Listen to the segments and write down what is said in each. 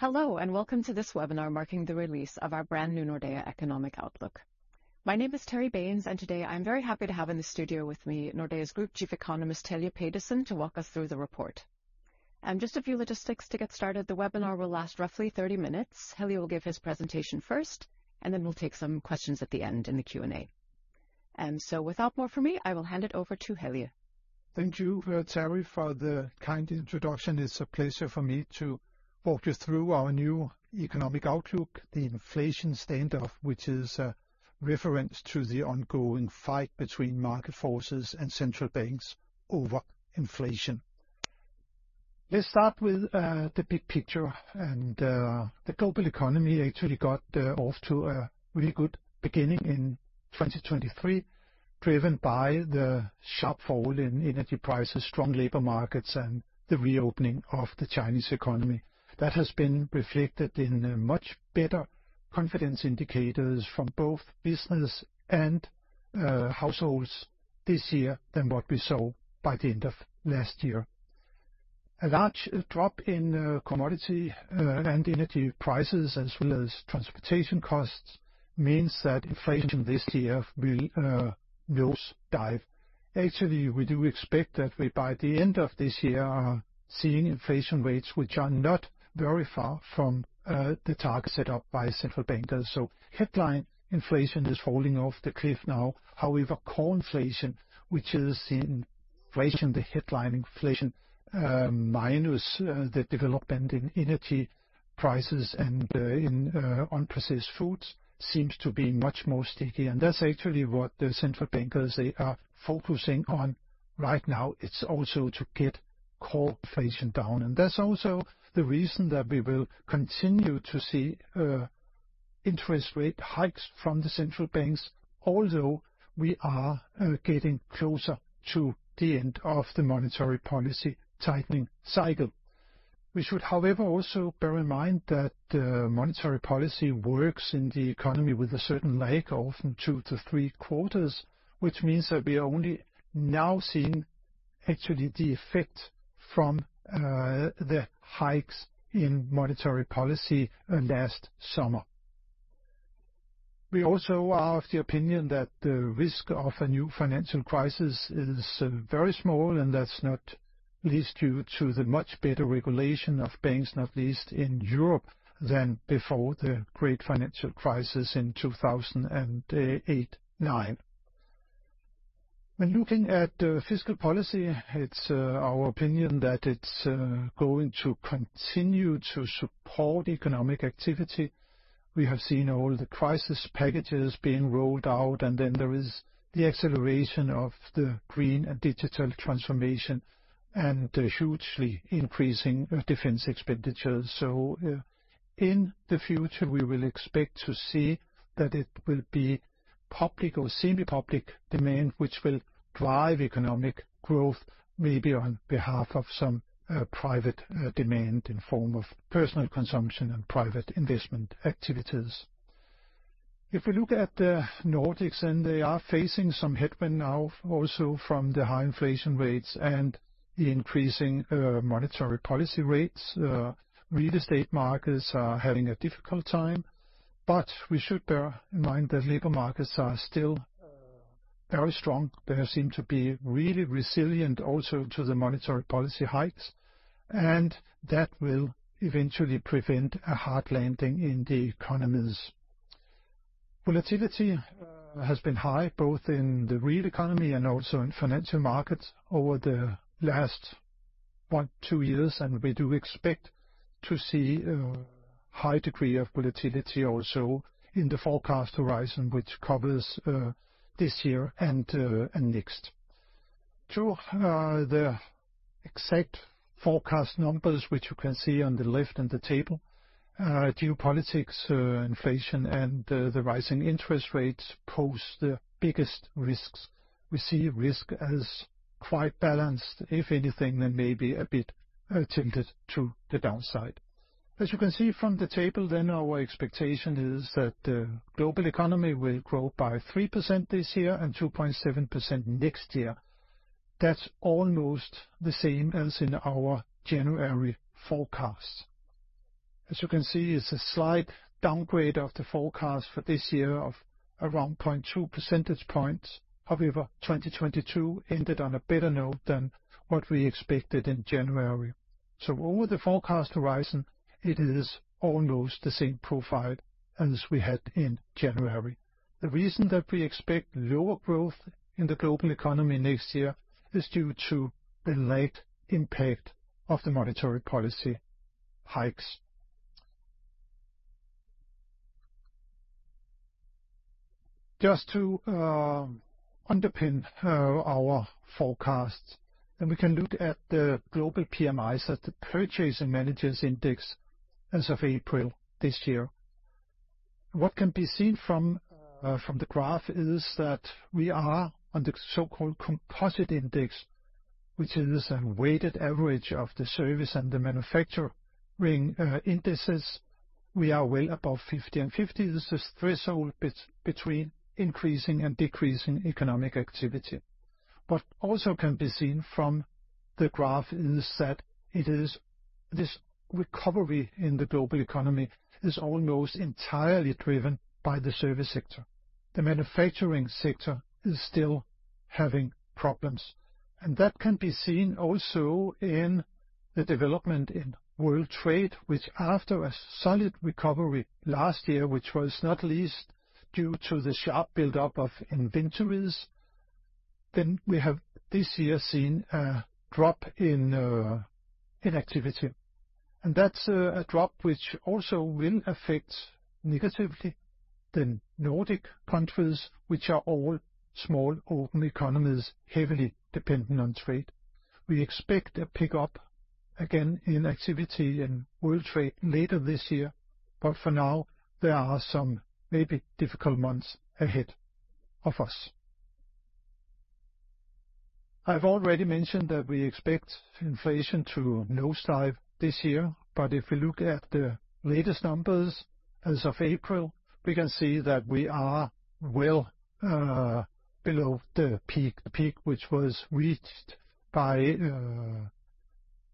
Hello, and welcome to this webinar marking the release of our brand new Nordea Economic Outlook. My name is Terry Baynes, and today I'm very happy to have in the studio with me Nordea's Group Chief Economist, Helge Pedersen, to walk us through the report. Just a few logistics to get started. The webinar will last roughly 30 minutes. Helge will give his presentation first, and then we'll take some questions at the end in the Q&A. Without more from me, I will hand it over to Helge. Thank you, Terry, for the kind introduction. It's a pleasure for me to walk you through our new Economic Outlook, The Inflation Standoff, which is a reference to the ongoing fight between market forces and central banks over inflation. Let's start with the big picture. The global economy actually got off to a really good beginning in 2023, driven by the sharp fall in energy prices, strong labor markets, and the reopening of the Chinese economy. That has been reflected in a much better confidence indicators from both business and households this year than what we saw by the end of last year. A large drop in commodity and energy prices, as well as transportation costs, means that inflation this year will nosedive. Actually, we do expect that by the end of this year are seeing inflation rates which are not very far from the target set up by central bankers. Headline inflation is falling off the cliff now. However, core inflation, which is inflation, the headline inflation, minus the development in energy prices and in unprocessed foods, seems to be much more sticky. That's actually what the central bankers they are focusing on right now. It's also to get core inflation down. That's also the reason that we will continue to see interest rate hikes from the central banks, although we are getting closer to the end of the monetary policy tightening cycle. We should, however, also bear in mind that the monetary policy works in the economy with a certain lag of 2-3 quarters, which means that we are only now seeing actually the effect from the hikes in monetary policy last summer. We also are of the opinion that the risk of a new financial crisis is very small, and that's not least due to the much better regulation of banks, not least in Europe than before the great financial crisis in 2008-2009. When looking at fiscal policy, it's our opinion that it's going to continue to support economic activity. We have seen all the crisis packages being rolled out, and then there is the acceleration of the green and digital transformation and hugely increasing defense expenditures. In the future, we will expect to see that it will be public or semi-public demand which will drive economic growth, maybe on behalf of some private demand in form of personal consumption and private investment activities. If we look at the Nordics, and they are facing some headwind now also from the high inflation rates and the increasing monetary policy rates, real estate markets are having a difficult time. We should bear in mind that labor markets are still very strong. They seem to be really resilient also to the monetary policy hikes, and that will eventually prevent a hard landing in the economies. Volatility has been high both in the real economy and also in financial markets over the last one, two years. We do expect to see a high degree of volatility also in the forecast horizon, which covers this year and next. To the exact forecast numbers, which you can see on the left in the table, geopolitics, inflation and the rising interest rates pose the biggest risks. We see risk as quite balanced, if anything, then maybe a bit tilted to the downside. As you can see from the table, our expectation is that the global economy will grow by 3% this year and 2.7% next year. That's almost the same as in our January forecast. As you can see, it's a slight downgrade of the forecast for this year of around 0.2 percentage points. 2022 ended on a better note than what we expected in January. Over the forecast horizon, it is almost the same profile as we had in January. The reason that we expect lower growth in the global economy next year is due to the late impact of the monetary policy hikes. Just to underpin our forecast, we can look at the global PMIs, at the Purchasing Managers' Index as of April this year. What can be seen from the graph is that we are on the so-called composite index, which is a weighted average of the service and the manufacturing indices. We are well above 50 and 50. This is threshold between increasing and decreasing economic activity. What also can be seen from the graph is that it is this recovery in the global economy is almost entirely driven by the service sector. The manufacturing sector is still having problems, and that can be seen also in the development in world trade, which after a solid recovery last year, which was not least due to the sharp buildup of inventories, then we have this year seen a drop in activity. That's a drop which also will affect negatively the Nordic countries, which are all small open economies, heavily dependent on trade. We expect a pickup again in activity in world trade later this year, but for now there are some maybe difficult months ahead of us. I've already mentioned that we expect inflation to nosedive this year. If we look at the latest numbers as of April, we can see that we are well below the peak which was reached by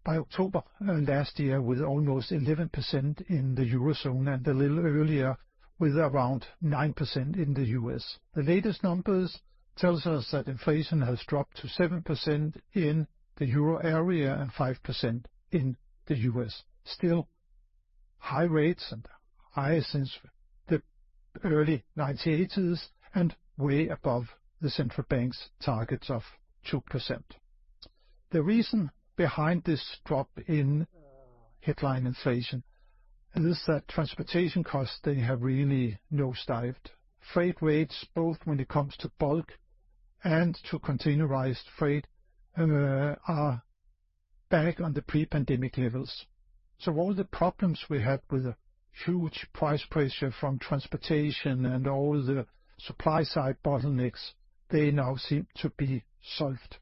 October last year, with almost 11% in the Eurozone and a little earlier with around 9% in the U.S. The latest numbers tells us that inflation has dropped to 7% in the Euro area and 5% in the U.S. Still high rates and high since the early 1980s and way above the central bank's targets of 2%. The reason behind this drop in headline inflation is that transportation costs, they have really nosedived. Freight rates, both when it comes to bulk and to containerized freight, are back on the pre-pandemic levels. All the problems we had with the huge price pressure from transportation and all the supply-side bottlenecks, they now seem to be solved.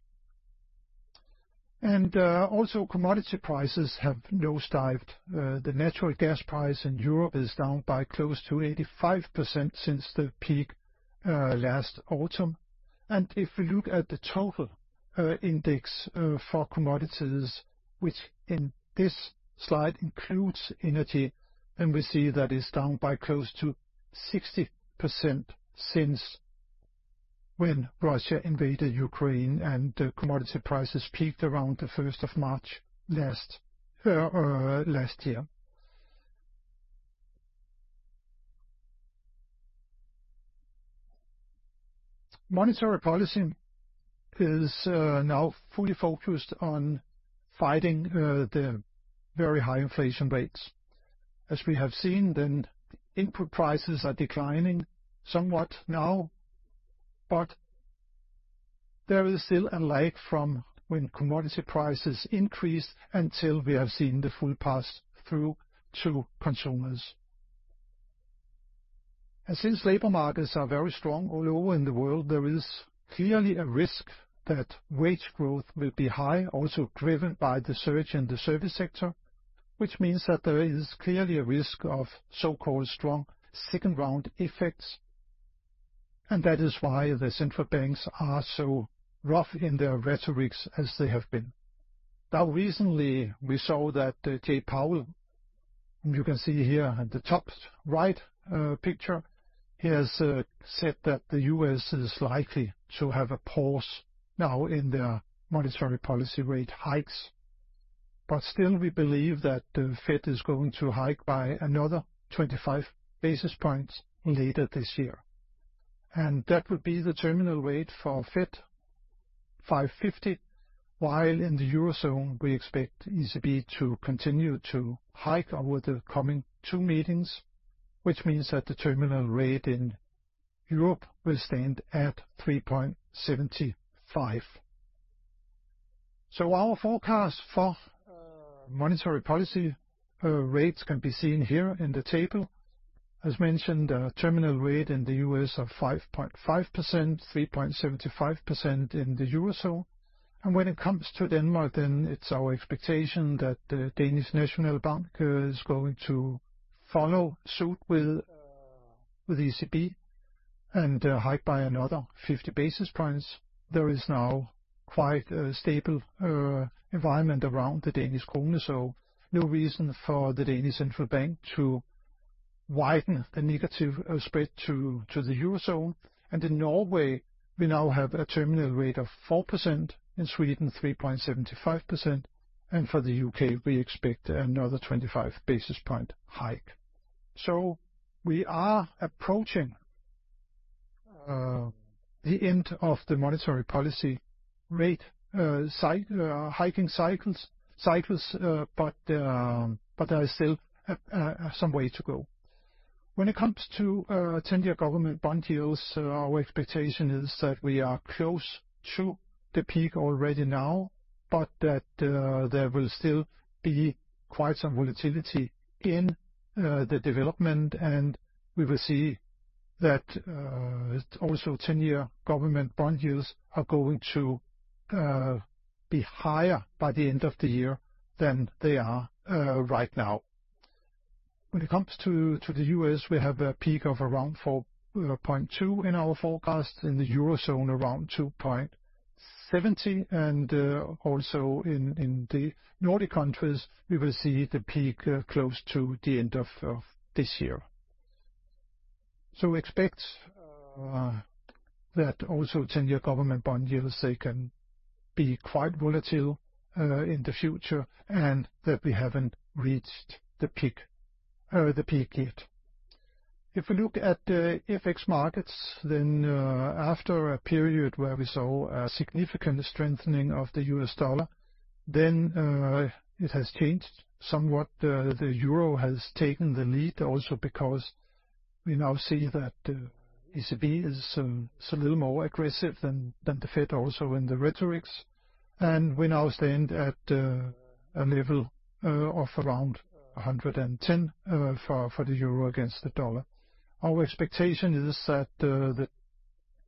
Also commodity prices have nosedived. The natural gas price in Europe is down by close to 85% since the peak last autumn. If we look at the total index for commodities, which in this slide includes energy, then we see that it's down by close to 60% since when Russia invaded Ukraine, and the commodity prices peaked around the 1st of March last year. Monetary policy is now fully focused on fighting the very high inflation rates. As we have seen, then input prices are declining somewhat now, but there is still a lag from when commodity prices increase until we have seen the full pass-through to consumers. Since labor markets are very strong all over in the world, there is clearly a risk that wage growth will be high, also driven by the surge in the service sector, which means that there is clearly a risk of so-called strong second-round effects. That is why the central banks are so rough in their rhetoric as they have been. Recently we saw that Jay Powell, you can see here at the top right picture, he has said that the U.S. is likely to have a pause now in their monetary policy rate hikes. Still, we believe that the Fed is going to hike by another 25 basis points later this year. That would be the terminal rate for Fed 5.50%. While in the Eurozone, we expect ECB to continue to hike over the coming 2 meetings, which means that the terminal rate in Europe will stand at 3.75. Our forecast for monetary policy rates can be seen here in the table. As mentioned, a terminal rate in the U.S. of 5.5%, 3.75% in the Eurozone. When it comes to Denmark, then it's our expectation that Danmarks Nationalbank is going to follow suit with ECB and hike by another 50 basis points. There is now quite a stable environment around the Danish krone, so no reason for Danmarks Nationalbank to widen the negative spread to the Eurozone. In Norway, we now have a terminal rate of 4%. In Sweden, 3.75%. For the UK, we expect another 25 basis point hike. We are approaching the end of the monetary policy rate hiking cycles. But there is still some way to go. When it comes to 10-year government bond yields, our expectation is that we are close to the peak already now, but that there will still be quite some volatility in the development, and we will see that also 10-year government bond yields are going to be higher by the end of the year than they are right now. When it comes to the US, we have a peak of around 4.2% in our forecast. In the Eurozone, around 2.70%. Also in the Nordic countries, we will see the peak close to the end of this year. Expect that also 10-year government bond yields, they can be quite volatile in the future, and that we haven't reached the peak yet. If we look at the FX markets, after a period where we saw a significant strengthening of the US dollar, it has changed somewhat. The euro has taken the lead also because we now see that ECB is a little more aggressive than the Fed also in the rhetorics. We now stand at a level of around 110 for the euro against the dollar. Our expectation is that the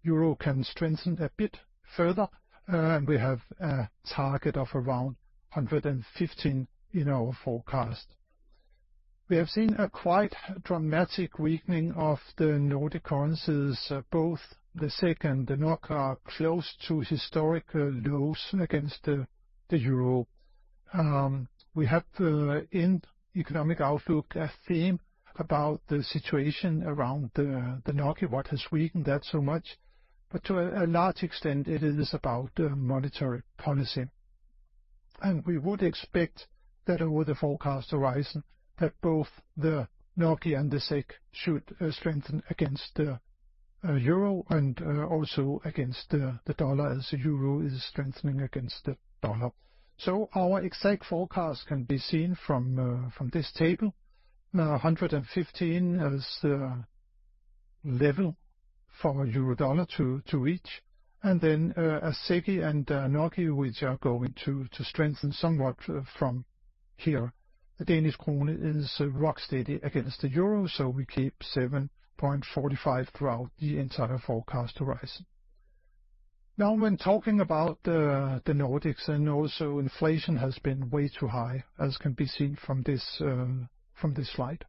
EUR can strengthen a bit further, and we have a target of around 115 in our forecast. We have seen a quite dramatic weakening of the Nordic currencies. Both the SEK and the NOK are close to historic lows against the EUR. We have in Economic Outlook a theme about the situation around the NOK, what has weakened that so much. To a large extent, it is about the monetary policy. We would expect that over the forecast horizon, that both the NOK and the SEK should strengthen against the EUR and also against the USD, as the EUR is strengthening against the USD. Our exact forecast can be seen from this table. 115 as the level for EUR/USD to reach. As SEK and NOK, which are going to strengthen somewhat from here. The Danish krone is rock steady against the euro, so we keep 7.45 throughout the entire forecast horizon. Now when talking about the Nordics, and also inflation has been way too high, as can be seen from this from this slide.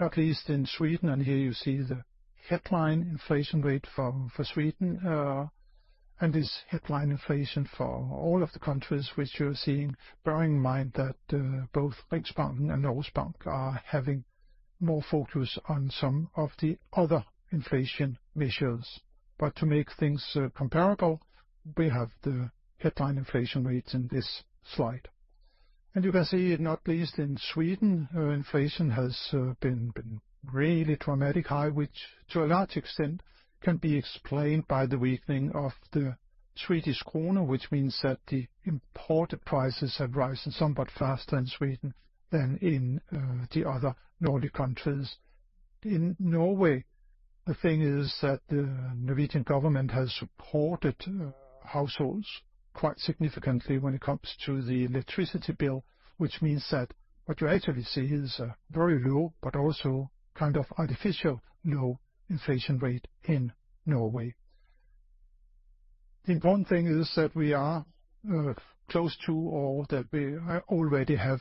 Not least in Sweden, here you see the headline inflation rate for Sweden, and this headline inflation for all of the countries which you're seeing. Bearing in mind that both Riksbank and Norges Bank are having more focus on some of the other inflation measures. To make things comparable, we have the headline inflation rates in this slide. You can see, not least in Sweden, inflation has been really dramatically high, which to a large extent can be explained by the weakening of the Swedish krona, which means that the imported prices have risen somewhat faster in Sweden than in the other Nordic countries. In Norway, the thing is that the Norwegian government has supported households quite significantly when it comes to the electricity bill, which means that what you actually see is a very low but also kind of artificial low inflation rate in Norway. The important thing is that we are close to or that we are already have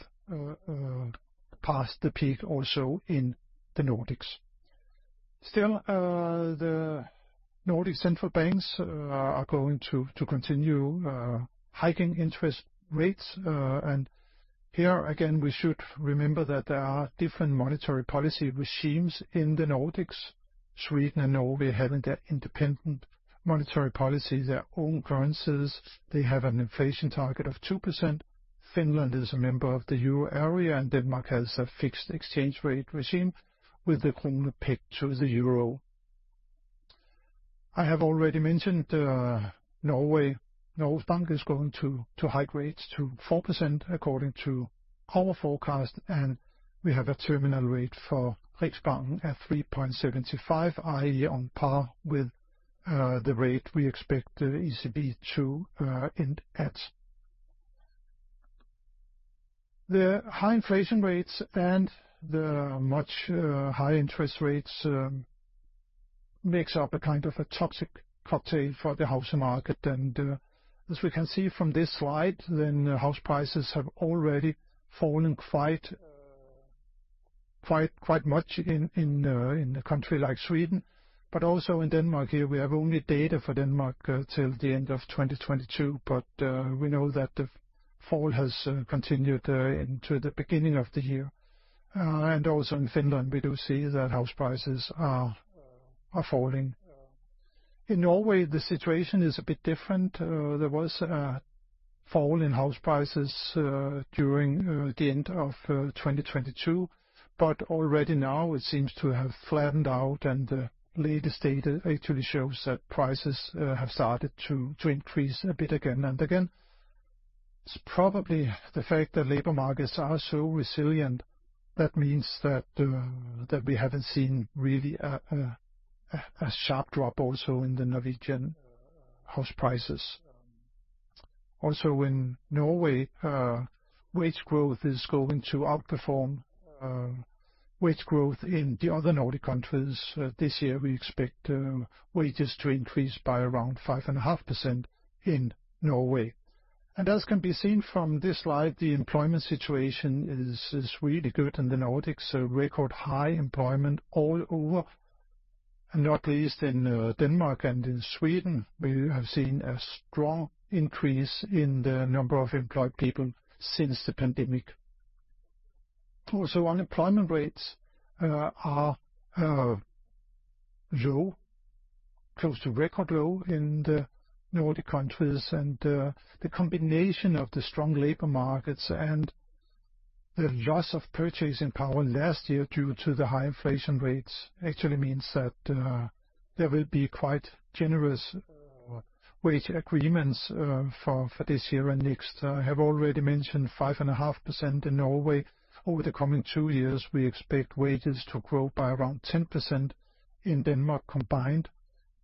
passed the peak also in the Nordics. Still, the Nordic central banks are going to continue hiking interest rates. Here again, we should remember that there are different monetary policy regimes in the Nordics. Sweden and Norway having their independent monetary policy, their own currencies. They have an inflation target of 2%. Finland is a member of the euro area, and Denmark has a fixed exchange rate regime, with the krone pegged to the euro. I have already mentioned Norway. Norges Bank is going to hike rates to 4% according to our forecast, and we have a terminal rate for Riksbanken at 3.75, i.e., on par with the rate we expect the ECB to end at. The high inflation rates and the much high interest rates makes up a kind of a toxic cocktail for the housing market. As we can see from this slide, then house prices have already fallen quite much in a country like Sweden. Also in Denmark here, we have only data for Denmark till the end of 2022, but we know that the fall has continued into the beginning of the year. Also in Finland, we do see that house prices are falling. In Norway, the situation is a bit different. There was a fall in house prices during the end of 2022, but already now it seems to have flattened out, and the latest data actually shows that prices have started to increase a bit again and again. It's probably the fact that labor markets are so resilient. That means that we haven't seen really a sharp drop also in the Norwegian house prices. In Norway, wage growth is going to outperform wage growth in the other Nordic countries. This year we expect wages to increase by around 5.5% in Norway. As can be seen from this slide, the employment situation is really good in the Nordics, so record high employment all over, and not least in Denmark and in Sweden. We have seen a strong increase in the number of employed people since the pandemic. Unemployment rates are low, close to record low in the Nordic countries. The combination of the strong labor markets and the loss of purchasing power last year due to the high inflation rates actually means that there will be quite generous wage agreements for this year and next. I have already mentioned 5.5% in Norway. Over the coming 2 years, we expect wages to grow by around 10% in Denmark combined,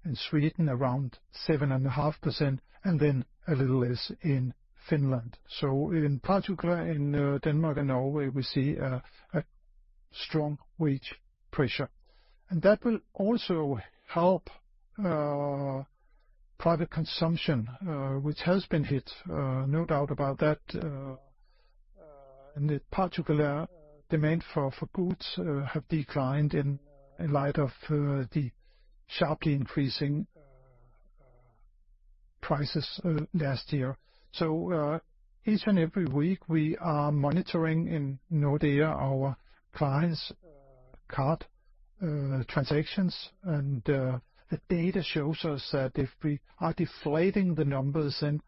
in Sweden around 7.5%, and then a little less in Finland. So in particular, in Denmark and Norway, we see a strong wage pressure. And that will also help private consumption, which has been hit, no doubt about that. In particular demand for goods have declined in light of the sharply increasing prices last year. Each and every week we are monitoring in Nordea our clients' card transactions. The data shows us that if we are deflating the numbers, then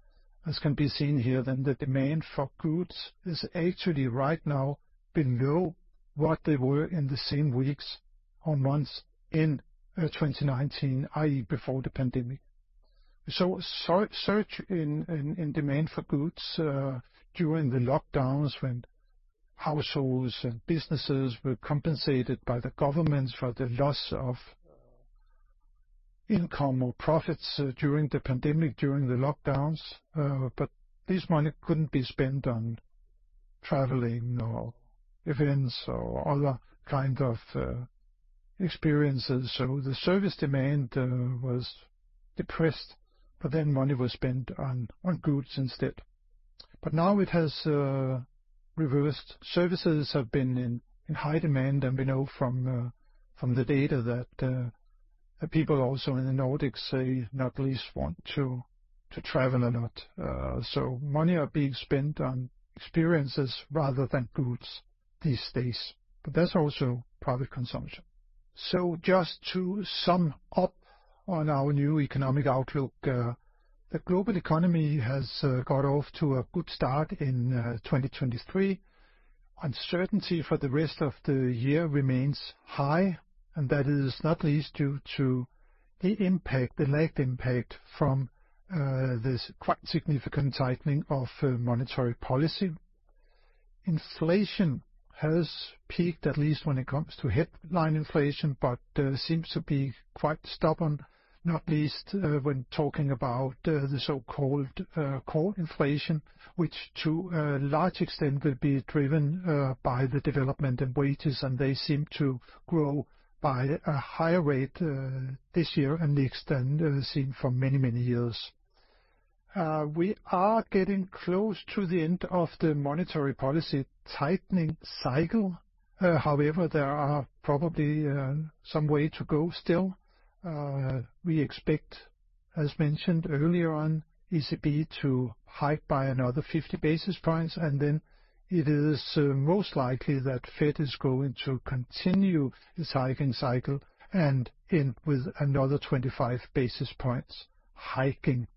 as can be seen here, then the demand for goods is actually right now below what they were in the same weeks or months in 2019, i.e., before the pandemic. Surge in demand for goods during the lockdowns when households and businesses were compensated by the governments for the loss of income or profits during the pandemic, during the lockdowns. This money couldn't be spent on traveling or events or other kind of experiences. The service demand was depressed, but then money was spent on goods instead. Now it has reversed. Services have been in high demand, we know from the data that people also in the Nordics say not least want to travel a lot. Money are being spent on experiences rather than goods these days. That's also private consumption. Just to sum up on our new Economic Outlook, the global economy has got off to a good start in 2023. Uncertainty for the rest of the year remains high, and that is not least due to the impact, the lagged impact from this quite significant tightening of monetary policy. Inflation has peaked at least when it comes to headline inflation, but seems to be quite stubborn, not least when talking about the so-called core inflation, which to a large extent will be driven by the development in wages, and they seem to grow by a higher rate this year and the extent seen for many, many years. We are getting close to the end of the monetary policy tightening cycle. However, there are probably some way to go still. We expect, as mentioned earlier on, ECB to hike by another 50 basis points, then it is most likely that Fed is going to continue its hiking cycle and end with another 25 basis points hiking.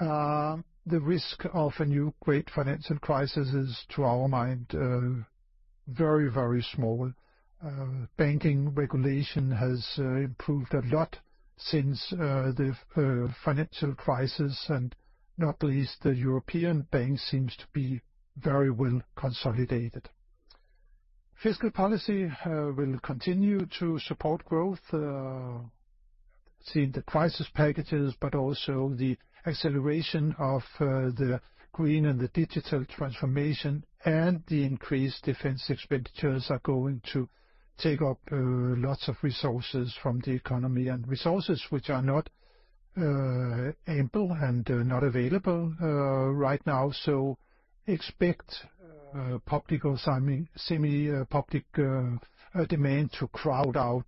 The risk of a new great financial crisis is, to our mind, very, very small. Banking regulation has improved a lot since the financial crisis and not least the European Bank seems to be very well consolidated. Fiscal policy will continue to support growth, seeing the crisis packages, but also the acceleration of the green and the digital transformation and the increased defense expenditures are going to take up lots of resources from the economy, and resources which are not ample and not available right now. Expect public or semi-public demand to crowd out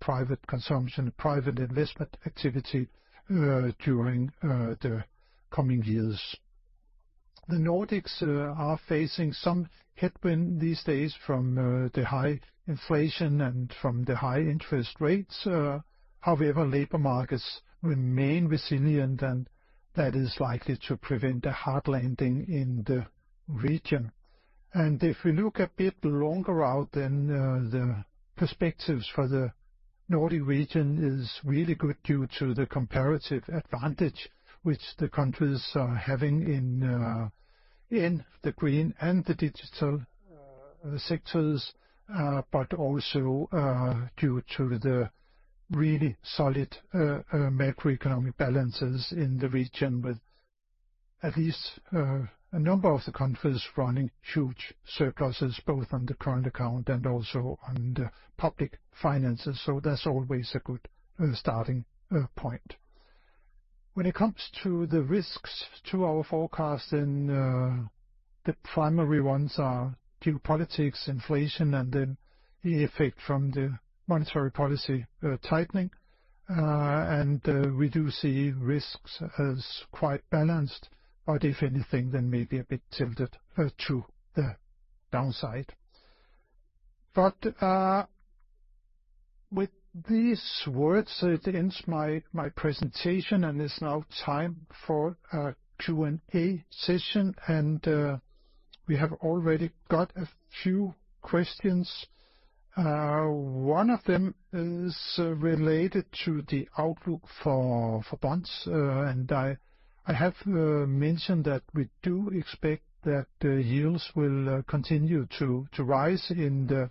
private consumption, private investment activity, during the coming years. The Nordics are facing some headwind these days from the high inflation and from the high interest rates. However, labor markets remain resilient, and that is likely to prevent a hard landing in the region. If we look a bit longer out, the perspectives for the Nordic region is really good due to the comparative advantage which the countries are having in the green and the digital sectors, but also due to the really solid macroeconomic balances in the region with at least a number of the countries running huge surpluses, both on the current account and also on the public finances. That's always a good starting point. When it comes to the risks to our forecast, the primary ones are geopolitics, inflation, and the effect from the monetary policy tightening. We do see risks as quite balanced, but if anything, maybe a bit tilted to the downside. With these words, it ends my presentation, and it's now time for a Q&A session. We have already got a few questions. One of them is related to the outlook for bonds. I have mentioned that we do expect that the yields will continue to rise in the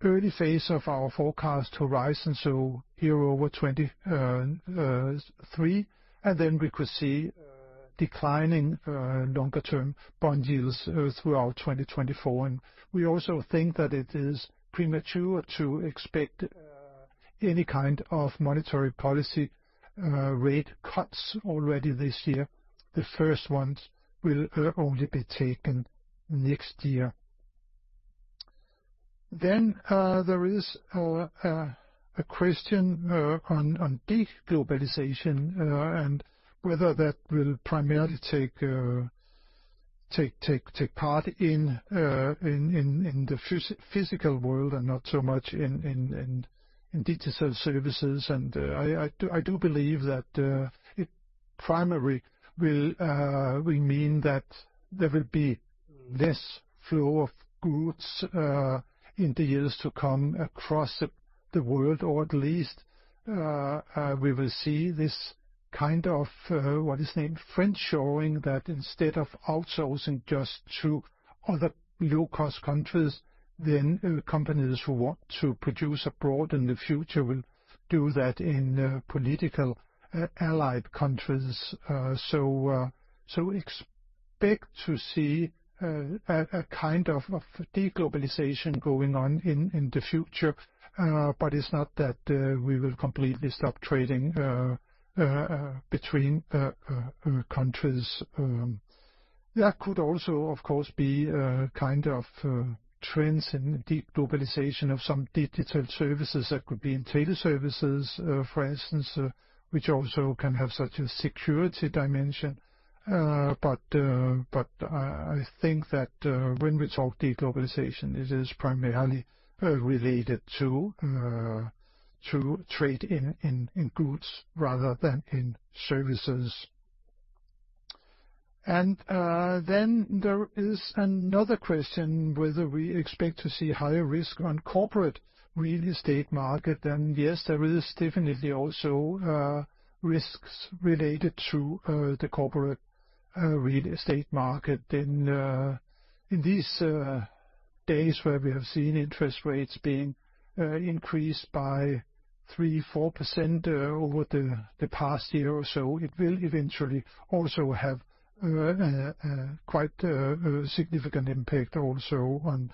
early phase of our forecast horizon, so here over 2023. Then we could see declining longer-term bond yields throughout 2024. We also think that it is premature to expect any kind of monetary policy rate cuts already this year. The first ones will only be taken next year. There is a question on deglobalization and whether that will primarily take part in the physical world and not so much in digital services. I do believe that it primarily will mean that there will be less flow of goods in the years to come across the world, or at least we will see this kind of what is named friendshoring that instead of outsourcing just to other low-cost countries, companies who want to produce abroad in the future will do that in political allied countries. Expect to see a kind of deglobalization going on in the future. But it's not that we will completely stop trading between countries. There could also, of course, be kind of trends in deglobalization of some digital services that could be in tele services, for instance, which also can have such a security dimension. But I think that when we talk deglobalization, it is primarily related to trade in goods rather than in services. Then there is another question, whether we expect to see higher risk on corporate real estate market. Yes, there is definitely also risks related to the corporate real estate market. In these days where we have seen interest rates being increased by 3%, 4% over the past year or so, it will eventually also have quite a significant impact also on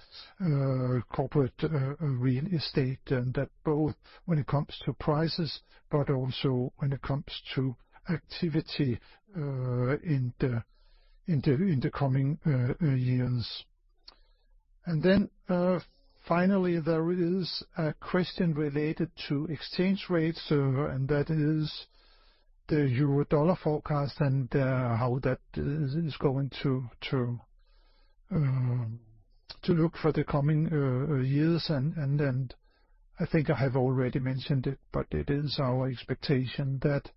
corporate real estate. That both when it comes to prices, but also when it comes to activity in the coming years. Finally, there is a question related to exchange rates. That is the EUR/USD forecast and how that is going to look for the coming years. I think I have already mentioned it, but it is our expectation that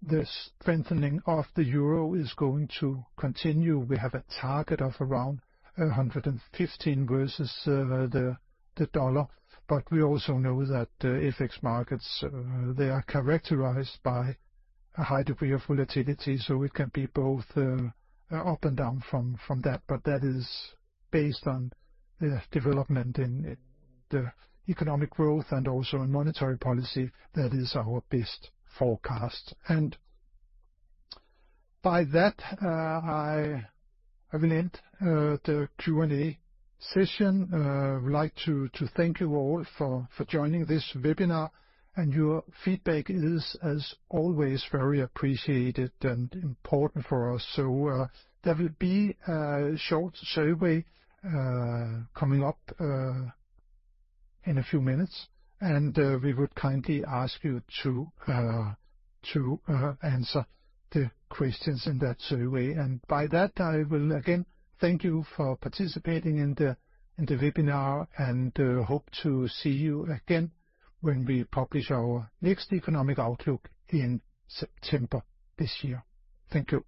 the strengthening of the euro is going to continue. We have a target of around 115 versus the dollar. We also know that the FX markets, they are characterized by a high degree of volatility, so it can be both up and down from that. That is based on the development in the economic growth and also in monetary policy. That is our best forecast. By that, I will end the Q&A session. I would like to thank you all for joining this webinar, and your feedback is, as always, very appreciated and important for us. There will be a short survey coming up in a few minutes. We would kindly ask you to answer the questions in that survey. By that, I will again thank you for participating in the webinar and hope to see you again when we publish our next Economic Outlook in September this year. Thank you.